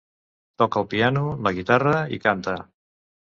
Toca el piano, la guitarra i canta.